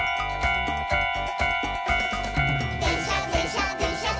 「でんしゃでんしゃでんしゃっ